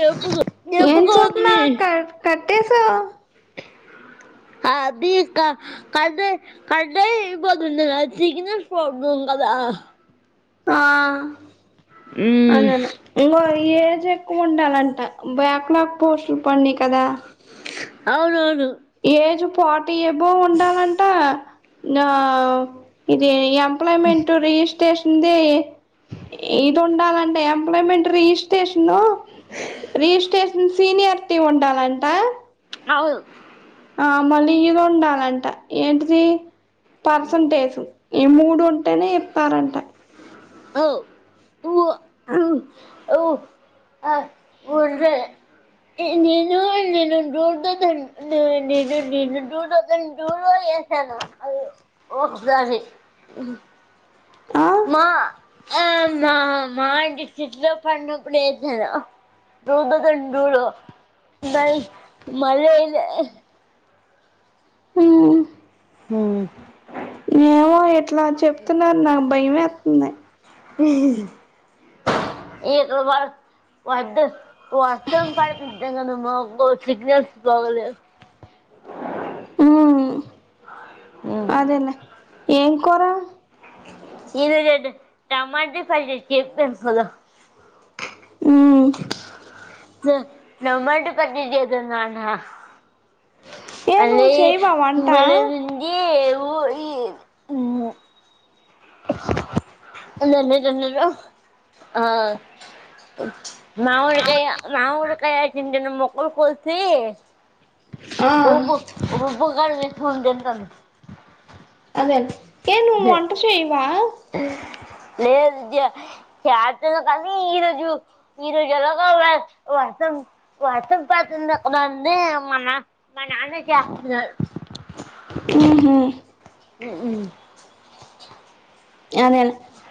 చెప్పుకో ఏం చెప్పుకోంది చదవత్తున్నవ్ అక్క కట్టేశావ్ అది క కట్టయ్ కట్టే అయిపోతుంది చిగినల్ ప్రాబ్లెమ్ కద్ దా ఆ అద మ్మ్ ఇంకో ఏజ్ ఎక్కువ ఉండాలం బ్యాక్ లాగ్ పోస్టులు పడిని కదా అవునవును ఏజ్ ఫార్టీ ఎబో ఉండాలంటే నా ఇది ఎంప్లాయ్మెంట్ రీష్ టేషన్ ది ఇది ఉండాలంట ఎంప్లాయ్మెంట్ రిజిస్టేష్ న్ రిజిస్ట్రేషన్ సీనియర్టీ ఉండాలంట అవును ఆ మళ్ళీ ఇద ఉండాలంట ఏంటిది పర్సంటేజ్ ఈ మూడు ఉంటేనే చెప్పారంట [unintelligible] [unintelligible] నేను నేను [inaudible] నేను నేను [inaudible] చేసాను ఓక్ దానే ఆ మా ఆమా అంటి చిట్లో పన్నప్పుడు ఏసాను టు థౌసండ్ టు లో మల్ మళ్లయిందె ఉమ్ ఉమ్ పో ఎట్లా చెప్తున్నారు నాకు భయమేతుంది [unintelligible] వర్ద వర్షం పడితే కదా మబ్బు సిగ్నల్స్ బాగోలేవ్ ఉమ్ అదేలే ఏం కూర ఇది గ టమాట పచ్ చెప్ ఎంకొలు ఉమ్ స్ టమ్మాట చేతున్నాను ఏ నువ్వు అది చేయవా వంట భలే ఉంది ఊ ఈ ఉమ్ ఇవ్వెన్ని జన్నలో ఆ మావఊరి కయ, నా ఊరి కయ చిన్న చిన్న మొక్కలు కోసి ఆ రుబూ రుబ్బుకలు ఎతుకుంట [unintelligible] దే ఏ ను వంట చేయవా? ఉమ్ లేదు విద్య, చేతను కనీ ఈ రజు, ఈ రోజు ఎలాగో వ వసం వసం తాతుంది మా నా మా నాన్న చేస్తున్నారు. ఉహు ఉమ్ అదే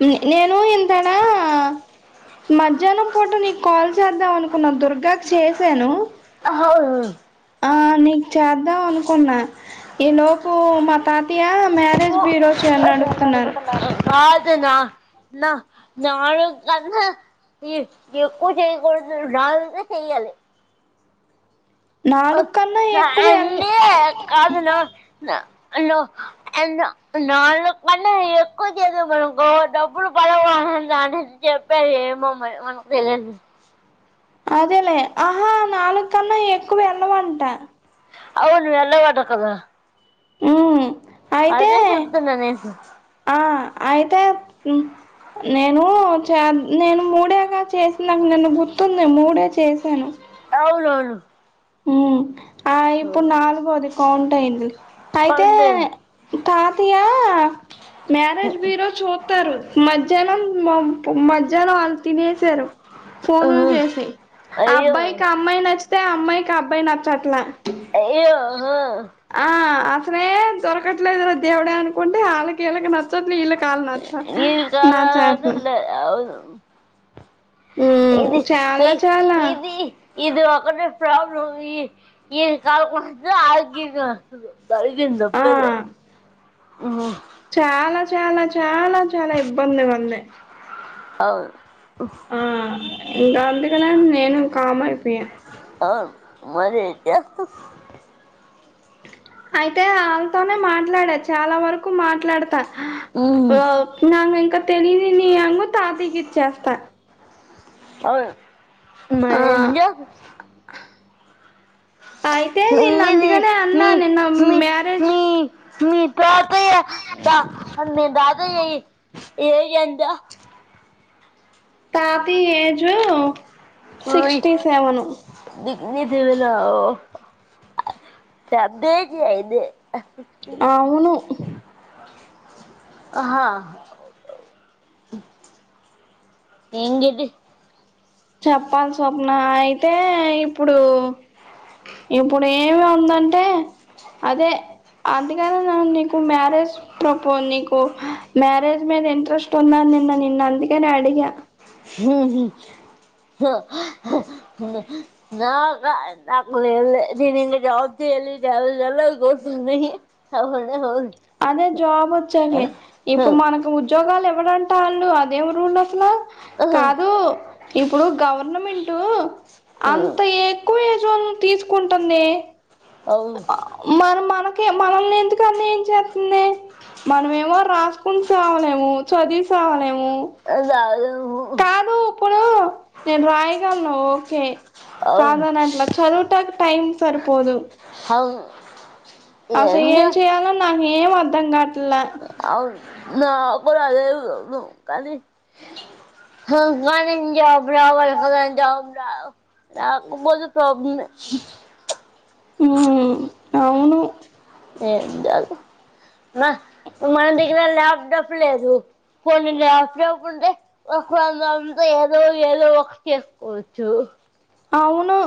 నే నేను ఎం మధ్యాహ్నం పూట నీకు కాల్ చేద్దాం అనుకున్న, దుర్గాకు చేసాను. అహోవు ఆ నీకు చేద్దాం అనుకున్నా, ఈ లోపు మా తాత తయ్యా మ్యారేజ్ బ్యూరో చెయ్ అన్నడుగుతున్నారు. కాదునా న నాను అన్న ఈ ఎక్కువ చేయకూడదు నాలుగే చెయ్యాలి. ఓ నాలుగు కన్నా ఎక్కువ ఎల్ అండి కాదునో నో ఎన్నో నాలుగు కన్నా ఎక్కువ చేసామనుకో డబ్బులు పడ్ చెప్పారు ఏమో మరి మనకు తెలిదు. అదేలే, ఆహా నాలుగు కన్నా ఎక్కువ వెళ్ళవంట అవును వెళ్ళవట కదా ఉమ్ అయితే అదే చెప్తున్నా నేను ఆ అయితే మ్ నేను చ నేను మూడేగా చేసిన అసలు నిన్న గుర్తుంది మూడే చేశాను. అవునవును. ఉమ్ ఆ ఇప్పుడు నాలుగోది కౌంట్ అయింది. అయితే పండుంది కాతీయ మ్యారేజ్ బ్యూరో చూత్తారు, మధ్యాహ్నం మ మధ్యాహ్నం ఆళ్ళు తినేసారు. ఫోనులు చేసి, ఆ అయ్యో అబ్బాయికిఆ అమ్మాయి నచ్చితే, ఆ అమ్మాయి అబ్బాయి నచ్చట్లా అయ్యో ఆ అసలే దొరకట్లేదు రా దేవుడ అనుకుంటే, వాళ్ళకిళ్ళకి నచ్చదు, ఇళ్ళకి నీది త్యకాల అదలే అవును మ్మ్ ఇది చాలా ఏయ్ చాలా ఇది ఇది ఒకటే ప్రాబ్లమ్ ఈ కల్ నచ్చదు, ఆళ్ళ కీళ్లకి జరిగింది ఆ ఒకటోదే ఉమ్ చాలా చాలా, చాలా చాలా ఇబ్బంది గుంది. అవు ఆ ఎంత అంతకన్న నేను కామైపోయా అవును మరి ఇక అయితే వాళ్ళతోనే మాట్లాడ, చాలా వరకు మాట్లాడతా ఉమ్, ఆ నాకు ఇంకా తెలిదు నీ అంగ తాతకి ఇచ్చేస్తా. అవు మ ఆ ఇంకా అయితే నిన్న ఇంగిది అందుకనే ఇది అన్నా మి నిన్న మి మ్యారేజ్ మీ మీ పేతయ్య త మీ తాతయ్య ఏజ్ ఎంత? తాతయ్య ఏజు సిక్స్టీ సెవెను. ఎన్ని దివెన ఓ డెబ్బై కి అయిదే అవును ఆహా ఎందిది చెప్పాలి స్వప్న అయితే ఇప్పుడు ఇప్పుడు ఏమి ఉందంటే అదే అందుకనే నీకు మ్యారేజ్ ప్రపో నీకు మ్యారేజ్ మీద ఇంట్రెస్ట్ ఉంద నిన్న నిన్ను అందుకనే అడిగా ఉహు నా నాకుళ్ళ నీను ఇవ [unintelligible] అదే జాబ్ వచ్చాకే ఇప్పుడు మనకు ఉద్యోగాలు ఇవ్ వడంట వాళ్ళు అదేం రూల్ అసలా కాదు ఇప్పుడు గవర్నమెంట్ అంత ఎక్కువ తీసుకుంటుంది అవును మరి మనక్ కే మనల్ని ఎందుకు అన్యాయం చెత్తంది మనమేమో రాసుకుని సవలేము చదివి సవలేము అది అవ్వదు కాదు ఇప్పుడు నేను రాయగలను ఓకే అవును కాదనట్లా చదువుటాకి టైమ్ సరిపోదు అవును అసలు ఏం చెయ్యాలో నాకు ఏం అర్థం కాట్లా [unintelligible] కానీ జాబ్ రావాలి కదా జాబ్ రావా రాకపోతే ప్రాబ్లెమ్ ఏ ఉహూ అవును [unintelligible] పోని లాప్టాప్ వుంటే ఒకందంతో ఏదో ఏదో ఒకటి చేసుకోవచ్చు అవును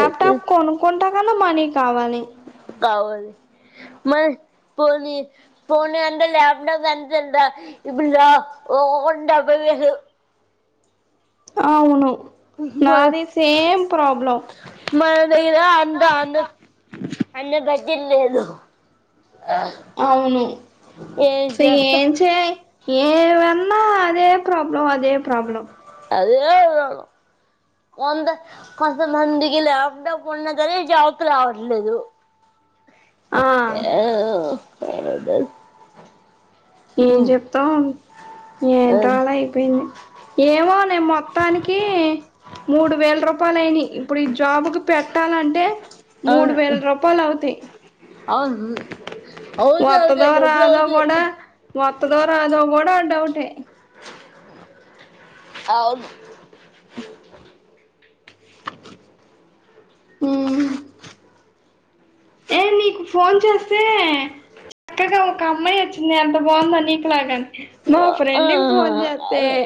ఏది కొనుక్కుంటా కన్నా మని కా కావాలి కావాలి [unintelligible] ఒకొక్కటి డబ్బే వేలు అవును మన నాది సేమ్ ప్రాబ్ మన దగ్గర అంద అన్న అన్న దగ్ వీల్లేదు అవును ఏం స చేస్తాం ఏం చే ఏమన్న అదే ప్రాబ్లం అదే ప్రాబ్లం [unintelligible] కొంద కొంతమందికి లాప్టాప్ ఉన్నా గానీ జాబ్కి రావట్లేదు ఆ [inaudible] ఏం చెప్తాం ఏంటో అలా అయిపోయింది ఏమోనే మొత్తానికి మూడు వేలు రూపాయలు అయినయి ఇప్పుడు ఈ జాబ్కి పెట్టాలంటే మూడు వేలు రూపాయలు అవుతయి [inaudible] వత్తదో అవుతాయి డబ్బులు రాదో అవుతాయి కూడా వత్తదో రాదో కూడా డౌట్ఏ అవును ఉహ్ ఏ మీకు ఫోన్ చేస్తే చక్కగా ఒక అమ్మాయి వచ్చింది ఎంత బావుందో నీకులాగాని నో ఫ్రెండ్కి ఫోన్ చేత్తే అవును